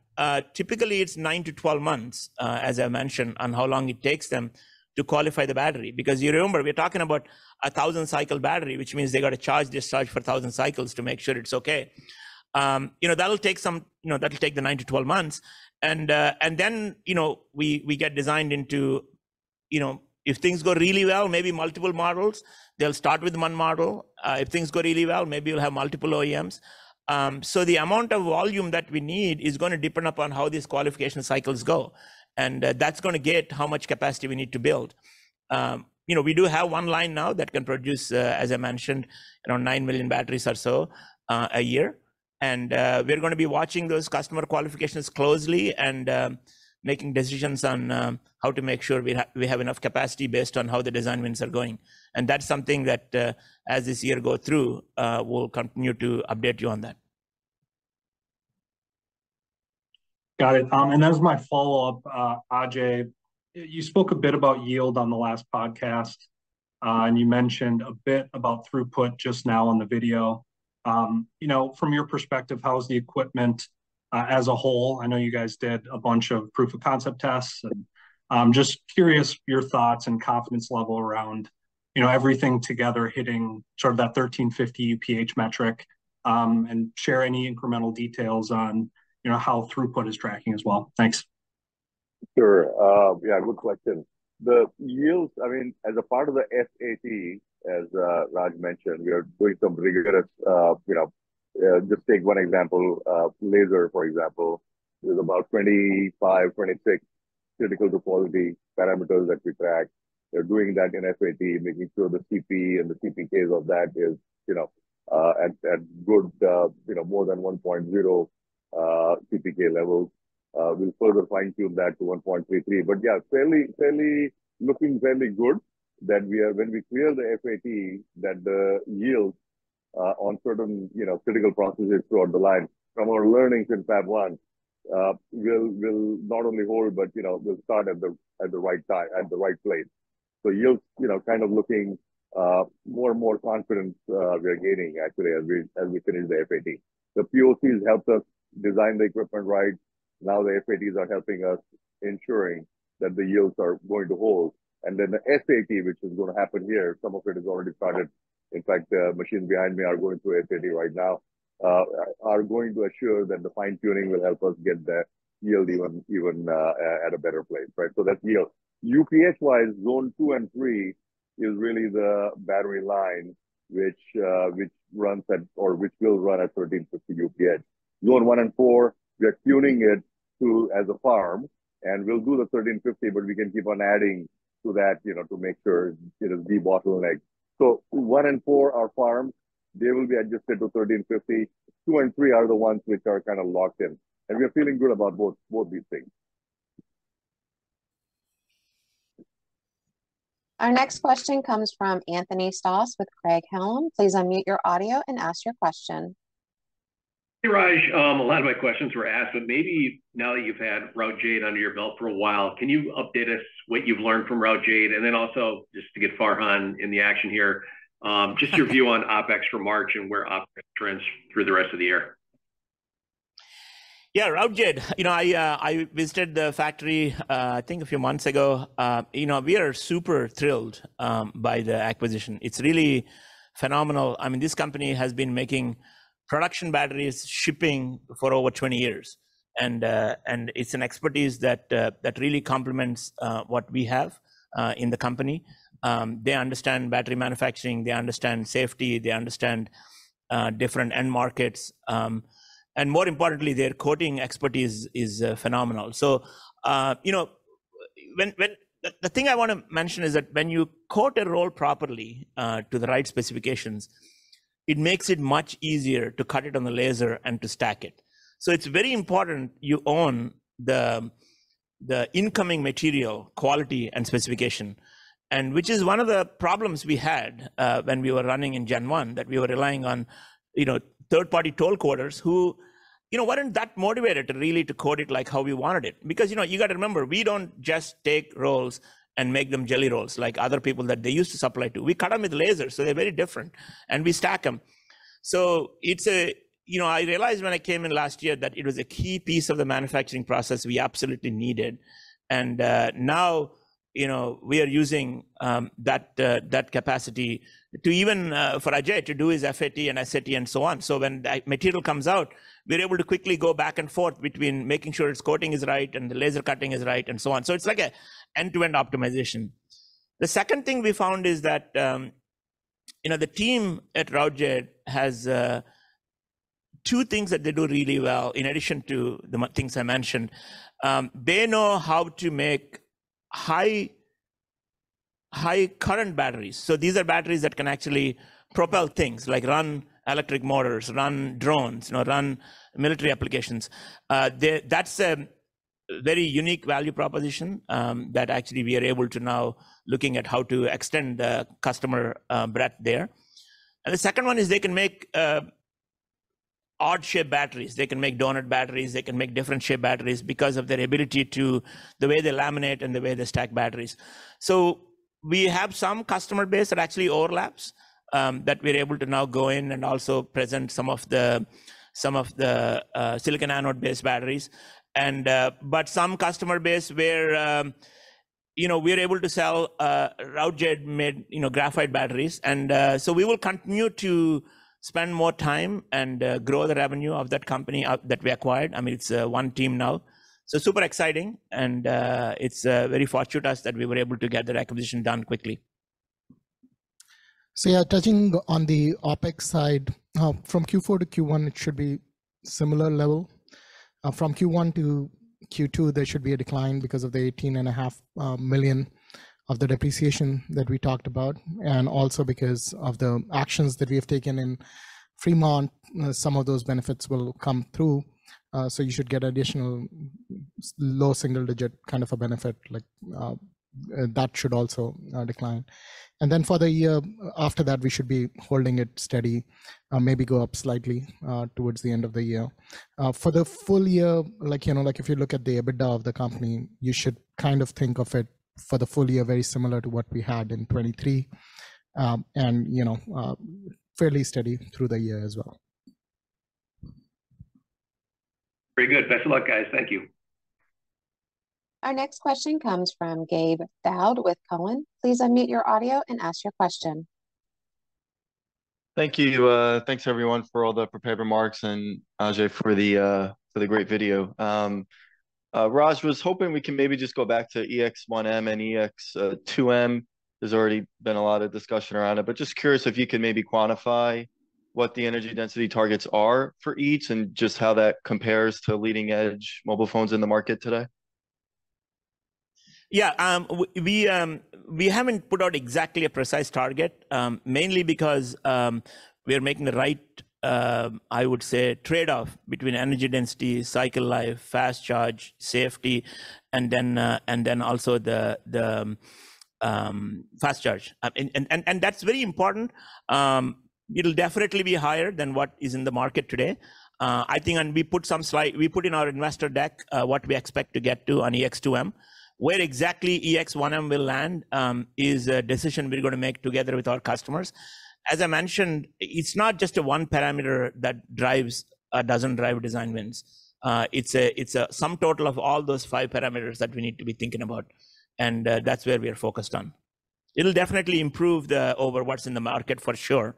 typically it's 9-12 months, as I mentioned, on how long it takes them to qualify the battery. Because you remember, we're talking about a 1,000-cycle battery, which means they've got to charge, discharge for 1,000 cycles to make sure it's okay. You know, that'll take the 9-12 months. And, and then, you know, we, we get designed into, you know, if things go really well, maybe multiple models. They'll start with one model. If things go really well, maybe we'll have multiple OEEMs. So the amount of volume that we need is gonna depend upon how these qualification cycles go, and that's gonna get how much capacity we need to build. You know, we do have one line now that can produce, as I mentioned, around 9 million batteries or so a year. And we're gonna be watching those customer qualifications closely and making decisions on how to make sure we have enough capacity based on how the design wins are going. And that's something that, as this year go through, we'll continue to update you on that. Got it. And as my follow-up, Ajay, you spoke a bit about yield on the last podcast, and you mentioned a bit about throughput just now on the video. You know, from your perspective, how is the equipment, as a whole? I know you guys did a bunch of proof of concept tests, and, I'm just curious your thoughts and confidence level around, you know, everything together hitting sort of that 1,350 UPH metric, and share any incremental details on, you know, how throughput is tracking as well. Thanks. Sure. Yeah, good question. The yields, I mean, as a part of the SAT, as Raj mentioned, we are doing some rigorous, you know. Just take one example, laser, for example, there's about 25, 26 critical to quality parameters that we track. We're doing that in SAT, making sure the CP and the CPKs of that is, you know, at good, you know, more than 1.0 CPK levels. We'll further fine-tune that to 1.33. But yeah, fairly looking fairly good that we are—when we clear the SAT, that the yields, on certain, you know, critical processes throughout the line, from our learnings in Fab 1, will not only hold but, you know, will start at the right time, at the right place. So yields, you know, kind of looking, more and more confidence, we are gaining actually as we, as we finish the SAT. The POCs helped us design the equipment right. Now, the SATs are helping us ensuring that the yields are going to hold. And then the SAT, which is gonna happen here, some of it is already started. In fact, the machines behind me are going through SAT right now, are going to assure that the fine-tuning will help us get the yield even, even, at a better place, right? So that's yield. UPH-wise, Zone 2 and Zone Three is really the battery line which, which will run at or which will run at 1,350 UPH. Zone One and Four, we are tuning it to as a farm, and we'll do the 1,350, but we can keep on adding to that, you know, to make sure it is debottleneck. So one and four are farms, they will be adjusted to 1,350. Two and three are the ones which are kind of locked in, and we are feeling good about both, both these things. Our next question comes from Anthony Stoss with Craig-Hallum. Please unmute your audio and ask your question. Hey, Raj, a lot of my questions were asked, but maybe now that you've had Routejade under your belt for a while, can you update us what you've learned from Routejade? And then also, just to get Farhan in the action here, just your view on OpEx for March and where OpEx trends through the rest of the year. Yeah, Routejade. You know, I, I visited the factory, I think a few months ago. You know, we are super thrilled by the acquisition. It's really phenomenal. I mean, this company has been making production batteries, shipping for over 20 years. And, and it's an expertise that, that really complements what we have in the company. They understand battery manufacturing, they understand saFATy, they understand different end markets. And more importantly, their coating expertise is phenomenal. So, you know, the thing I wanna mention is that when you coat a roll properly to the right specifications, it makes it much easier to cut it on the laser and to stack it. So it's very important you own the incoming material quality and specification, and which is one of the problems we had when we were running in Gen 1, that we were relying on, you know, third-party toll coaters who, you know, weren't that motivated to really to coat it like how we wanted it. Because, you know, you gotta remember, we don't just take rolls and make them jelly rolls like other people that they used to supply to. We cut 'em with lasers, so they're very different, and we stack 'em. So it's a key piece of the manufacturing process we absolutely needed. You know, I realized when I came in last year that it was a key piece of the manufacturing process we absolutely needed. And now, you know, we are using that capacity to even for Ajay to do his FAT and SAT and so on. So when that material comes out, we're able to quickly go back and forth between making sure its coating is right and the laser cutting is right, and so on. So it's like an end-to-end optimization. The second thing we found is that, you know, the team at Routejade has two things that they do really well, in addition to the things I mentioned. They know how to make high, high current batteries. So these are batteries that can actually propel things, like run electric motors, run drones, you know, run military applications. That's a very unique value proposition, that actually we are able to now looking at how to extend the customer breadth there. And the second one is they can make odd-shaped batteries. They can make donut batteries, they can make different shaped batteries because of their ability to the way they laminate and the way they stack batteries. So we have some customer base that actually overlaps that we're able to now go in and also present some of the silicon anode-based batteries. And but some customer base where you know we're able to sell Routejade-made you know graphite batteries. And so we will continue to spend more time and grow the revenue of that company out that we acquired. I mean it's one team now. So super exciting and it's very fortunate us that we were able to get the acquisition done quickly. So yeah, touching on the OpEx side, from Q4 to Q1, it should be similar level. From Q1 to Q2, there should be a decline because of the $18.5 million of the depreciation that we talked about, and also because of the actions that we have taken in Fremont, some of those benefits will come through. So you should get additional low single-digit, kind of a benefit, like, that should also decline. And then for the year after that, we should be holding it steady, maybe go up slightly, towards the end of the year. For the full year, like, you know, like if you look at the EBITDA of the company, you should kind of think of it for the full year, very similar to what we had in 2023. You know, fairly steady through the year as well. Very good. Best of luck, guys. Thank you. Our next question comes from Gabe Daoud with Cowen. Please unmute your audio and ask your question. Thank you. Thanks, everyone, for all the prepared remarks, and Ajay, for the great video. Raj, was hoping we can maybe just go back to EX1M and EX 2M. There's already been a lot of discussion around it, but just curious if you could maybe quantify what the energy density targets are for each, and just how that compares to leading-edge mobile phones in the market today? Yeah, we haven't put out exactly a precise target, mainly because we are making the right, I would say, trade-off between energy density, cycle life, fast charge, saFATy, and then also the fast charge. And that's very important. It'll definitely be higher than what is in the market today. I think, and we put some slight- we put in our investor deck what we expect to get to on EX-2M. Where exactly EX-1M will land is a decision we're gonna make together with our customers. As I mentioned, it's not just a one parameter that drives, dOEEsn't drive design wins. It's a sum total of all those five parameters that we need to be thinking about, and that's where we are focused on. It'll definitely improve the over what's in the market for sure.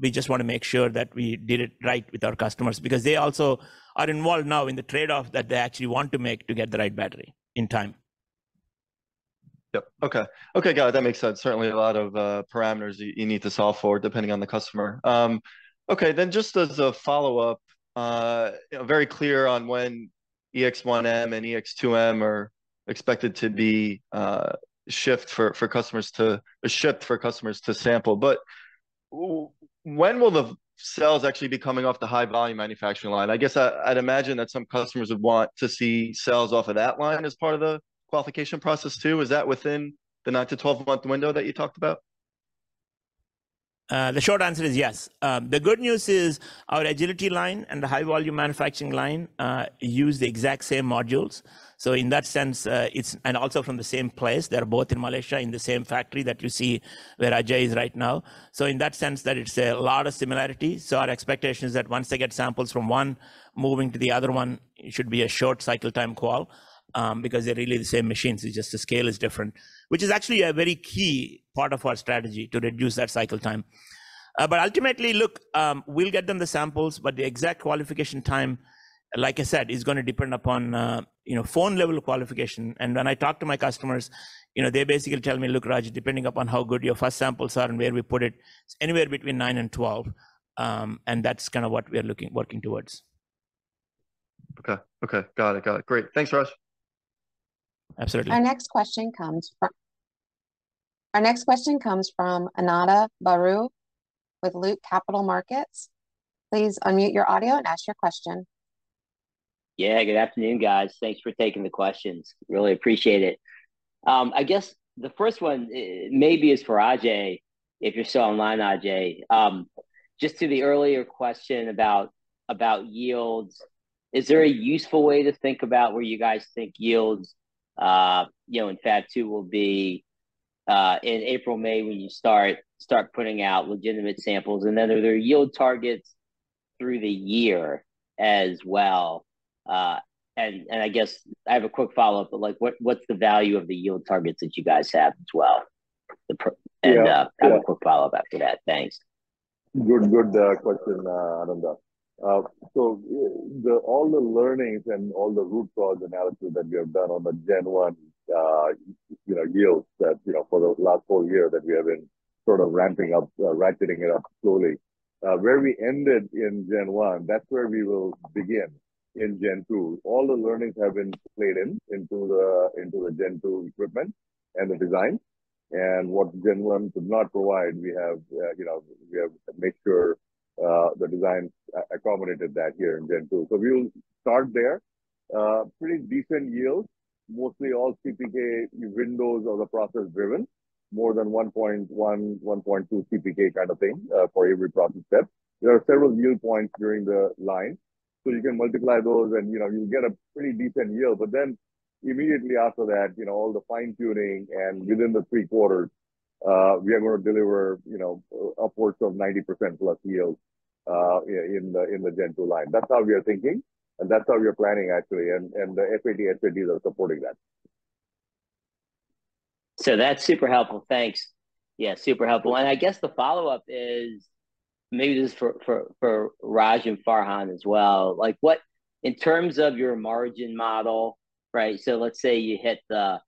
We just wanna make sure that we did it right with our customers, because they also are involved now in the trade-off that they actually want to make to get the right battery in time. Yep. Okay. Okay, got it. That makes sense. Certainly a lot of parameters you need to solve for, depending on the customer. Okay, then just as a follow-up, very clear on when EX1M and EX2M are expected to be shipped for customers to sample. But when will the cells actually be coming off the high-volume manufacturing line? I guess I'd imagine that some customers would want to see cells off of that line as part of the qualification process, too. Is that within the 9-12-month window that you talked about? The short answer is yes. The good news is our Agility Line and the high-volume manufacturing line use the exact same modules. So in that sense, it's and also from the same place, they're both in Malaysia, in the same factory that you see where Ajay is right now. So in that sense, that it's a lot of similarities. So our expectation is that once they get samples from one, moving to the other one, it should be a short cycle time qual, because they're really the same machines, it's just the scale is different, which is actually a very key part of our strategy to reduce that cycle time. But ultimately, look, we'll get them the samples, but the exact qualification time, like I said, is gonna depend upon, you know, phone level of qualification. When I talk to my customers, you know, they basically tell me, "Look, Raj, depending upon how good your first samples are and where we put it, it's anywhere between 9 and 12." That's kind of what we are looking, working towards. Okay, okay, got it, got it. Great. Thanks, Raj. Absolutely. Our next question comes from Ananda Baruah with Loop Capital Markets. Please unmute your audio and ask your question. Yeah, good afternoon, guys. Thanks for taking the questions. Really appreciate it. I guess the first one maybe is for Ajay, if you're still online, Ajay. Just to the earlier question about yields, is there a useful way to think about where you guys think yields, you know, in Fab 2 will be, in April, May, when you start putting out legitimate samples? And then are there yield targets through the year as well? And I guess I have a quick follow-up, but like, what's the value of the yield targets that you guys have as well? The pr- Yeah, yeah. I have a quick follow-up after that. Thanks. Good, good, question, Ananda. So the, all the learnings and all the root cause analysis that we have done on the Gen One, you know, for the last whole year that we have been sort of ramping up, ratcheting it up slowly. Where we ended in Gen One, that's where we will begin in Gen 2. All the learnings have been played in, into the, into the Gen 2 equipment and the design, and what Gen One could not provide, we have, you know, we have made sure, the design accommodated that here in Gen 2. So we will start there. Pretty decent yields. Mostly all CPK windows are the process-driven, more than 1.1, 1.2 CPK kind of thing, for every process step. There are several yield points during the line, so you can multiply those and, you know, you'll get a pretty decent yield. But then immediately after that, you know, all the fine-tuning, and within the three quarters, we are going to deliver, you know, upwards of 90% plus yields, in the, in the Gen 2 line. That's how we are thinking, and that's how we're planning, actually, and, and the FAT, SATs are supporting that. So that's super helpful. Thanks. Yeah, super helpful. And I guess the follow-up is, maybe this is for Raj and Farhan as well, like, what. In terms of your margin model, right, so let's say you hit the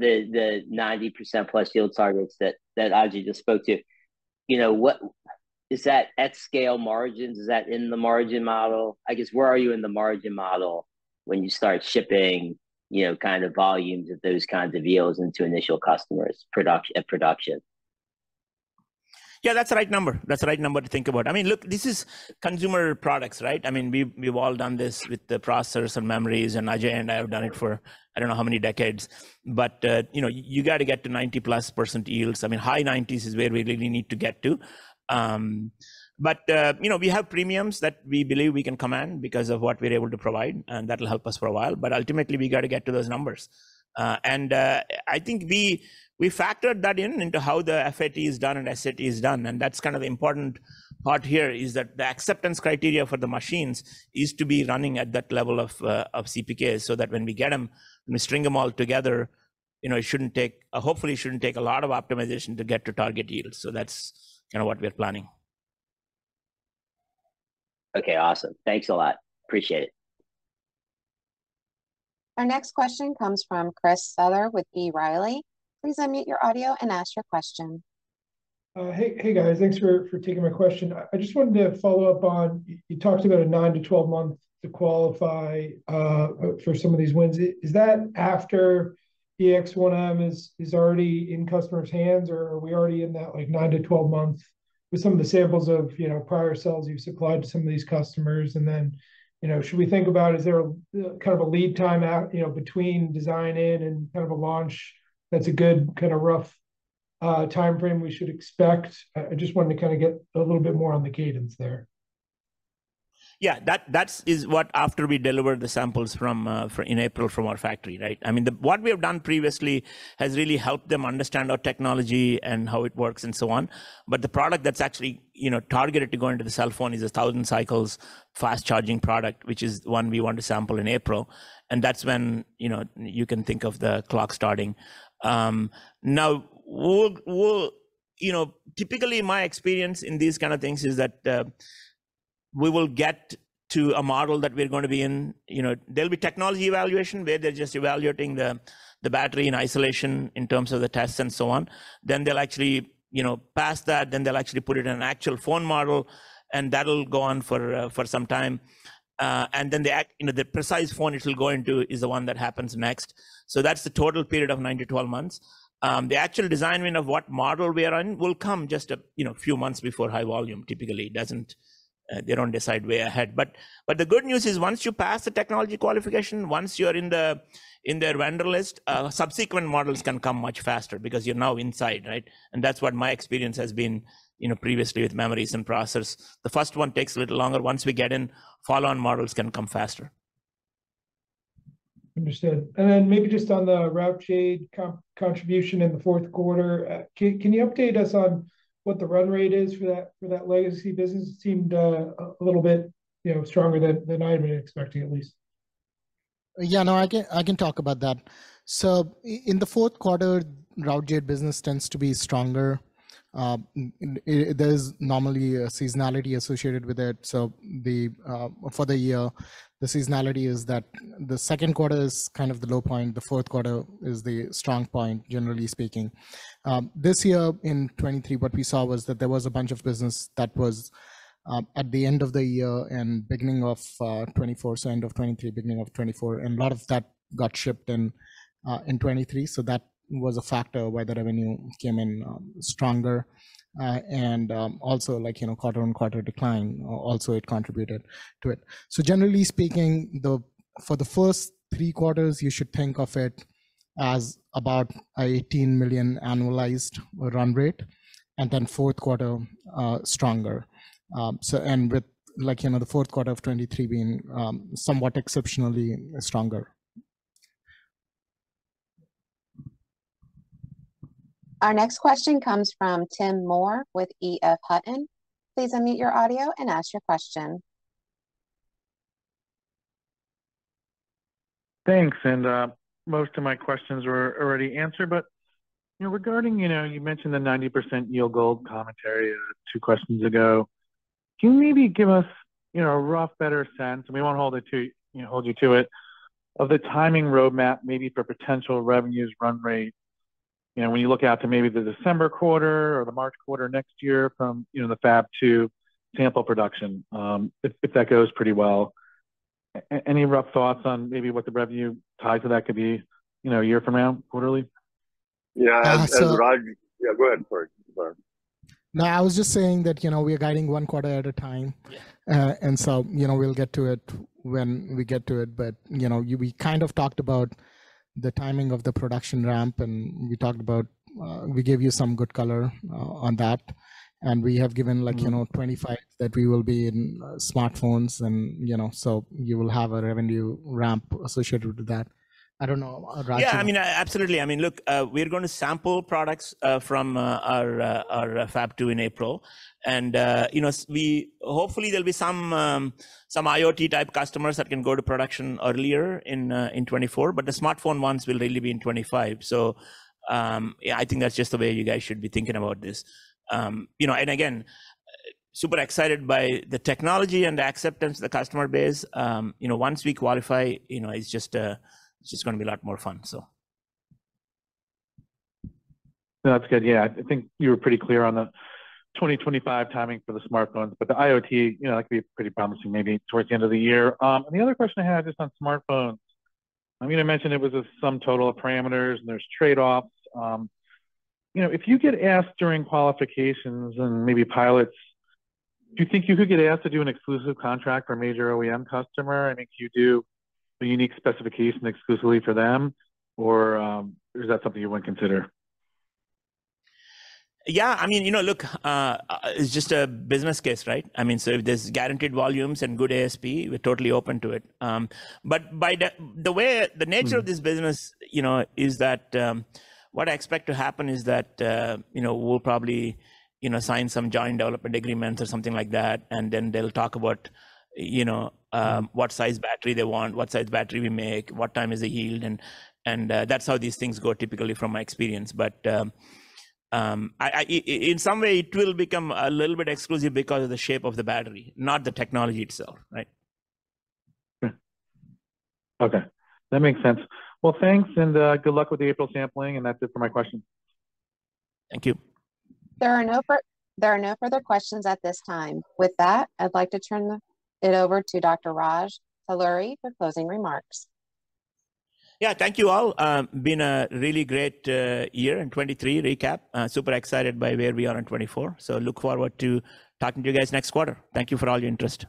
90%+ yield targets that Ajay just spoke to, you know, what- is that at scale margins? Is that in the margin model? I guess, where are you in the margin model when you start shipping, you know, kind of volumes of those kinds of yields into initial customers' product, at production? Yeah, that's the right number. That's the right number to think about. I mean, look, this is consumer products, right? I mean, we've, we've all done this with the processors and memories, and Ajay and I have done it for I don't know how many decades. But, you know, you got to get to 90%+ yields. I mean, high 90s is where we really need to get to. But, you know, we have premiums that we believe we can command because of what we're able to provide, and that will help us for a while, but ultimately, we got to get to those numbers. And I think we factored that in, into how the FAT is done and SAT is done, and that's kind of the important part here, is that the acceptance criteria for the machines is to be running at that level of CPK, so that when we get them, when we string them all together, you know, it shouldn't take, hopefully it shouldn't take a lot of optimization to get to target yields. So that's kind of what we are planning. Okay, awesome. Thanks a lot. Appreciate it. Our next question comes from Chris Souther with B. Riley. Please unmute your audio and ask your question. Hey, hey, guys. Thanks for taking my question. I just wanted to follow up on, you talked about a 9-12 months to qualify for some of these wins. Is that after the EX-1M is already in customers' hands, or are we already in that, like, 9-12 months with some of the samples of, you know, prior sales you've supplied to some of these customers? And then, you know, should we think about, is there kind of a lead time out, you know, between design-in and kind of a launch that's a good kind of rough timeframe we should expect? I just wanted to kind of get a little bit more on the cadence there. Yeah, that is what after we deliver the samples from in April from our factory, right? I mean, what we have done previously has really helped them understand our technology and how it works and so on. But the product that's actually, you know, targeted to go into the cell phone is a 1,000 cycles, fast-charging product, which is one we want to sample in April, and that's when, you know, you can think of the clock starting. Now, we'll. You know, typically, my experience in these kind of things is that we will get to a model that we're going to be in. You know, there'll be technology evaluation, where they're just evaluating the battery in isolation in terms of the tests and so on. Then they'll actually, you know, pass that, then they'll actually put it in an actual phone model, and that'll go on for some time. And then the, you know, the precise phone it'll go into is the one that happens next. So that's the total period of 9-12 months. The actual design win of what model we are in will come just a, you know, few months before high volume. Typically, it dOEEsn't, they don't decide way ahead. But the good news is, once you pass the technology qualification, once you are in the, in their render list, subsequent models can come much faster because you're now inside, right? And that's what my experience has been, you know, previously with memories and processors. The first one takes a little longer. Once we get in, follow-on models can come faster. Understood. And then maybe just on the Routejade contribution in the fourth quarter, can you update us on what the run rate is for that, for that legacy business? It seemed a little bit, you know, stronger than I had been expecting, at least. Yeah, no, I can, I can talk about that. So in the fourth quarter, Routejade business tends to be stronger. And there is normally a seasonality associated with it, so the for the year- The seasonality is that the second quarter is kind of the low point, the fourth quarter is the strong point, generally speaking. This year in 2023, what we saw was that there was a bunch of business that was at the end of the year and beginning of 2024, so end of 2023, beginning of 2024, and a lot of that got shipped in 2023. So that was a factor why the revenue came in stronger. And also, like, you know, quarter-over-quarter decline, also it contributed to it. So generally speaking, for the first three quarters, you should think of it as about $18 million annualized run rate, and then fourth quarter stronger. So and with like, you know, the fourth quarter of 2023 being somewhat exceptionally stronger. Our next question comes from Tim Moore with E.F. Hutton. Please unmute your audio and ask your question. Thanks. Most of my questions were already answered, but you know, regarding you know, you mentioned the 90% yield goal commentary two questions ago. Can you maybe give us you know, a rough, better sense, and we won't hold it to you know, hold you to it, of the timing roadmap, maybe for potential revenues run rate? You know, when you look out to maybe the December quarter or the March quarter next year from you know, the Fab 2 sample production, if that gOEEs pretty well, any rough thoughts on maybe what the revenue tied to that could be you know, a year from now, quarterly? Yeah. Uh, so- As Raj... Yeah, go ahead, sorry. No, I was just saying that, you know, we are guiding one quarter at a time. Yeah. And so, you know, we'll get to it when we get to it. But, you know, we kind of talked about the timing of the production ramp, and we talked about, we gave you some good color on that. And we have given, like, you know, 25, that we will be in smartphones and, you know, so you will have a revenue ramp associated with that. I don't know, Raj? Yeah, I mean, absolutely. I mean, look, we're going to sample products from our Fab 2 in April. And, you know, hopefully there'll be some IoT type customers that can go to production earlier in 2024, but the smartphone ones will really be in 2025. So, yeah, I think that's just the way you guys should be thinking about this. You know, and again, super excited by the technology and the acceptance, the customer base. You know, once we qualify, you know, it's just, it's just gonna be a lot more fun, so. That's good. Yeah, I think you were pretty clear on the 2025 timing for the smartphones, but the IoT, you know, that could be pretty promising, maybe towards the end of the year. And the other question I had is on smartphones. I mean, I mentioned it was a sum total of parameters, and there's trade-offs. You know, if you get asked during qualifications and maybe pilots, do you think you could get asked to do an exclusive contract for a major OEEM customer? And if you do a unique specification exclusively for them or, is that something you wouldn't consider? Yeah, I mean, you know, look, it's just a business case, right? I mean, so if there's guaranteed volumes and good ASP, we're totally open to it. But by the way, the nature of this business, you know, is that what I expect to happen is that you know, we'll probably, you know, sign some joint development agreements or something like that, and then they'll talk about, you know, what size battery they want, what size battery we make, what time is the yield, and that's how these things go, typically from my experience. But in some way, it will become a little bit exclusive because of the shape of the battery, not the technology itself. Right? Okay. That makes sense. Well, thanks, and good luck with the April sampling, and that's it for my question. Thank you. There are no further questions at this time. With that, I'd like to turn it over to Dr. Raj Talluri for closing remarks. Yeah, thank you all. Been a really great year in 2023 recap. Super excited by where we are in 2024. So look forward to talking to you guys next quarter. Thank you for all your interest.